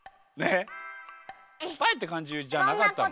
すっぱいってかんじじゃなかった？